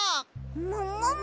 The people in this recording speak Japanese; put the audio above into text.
ももも！？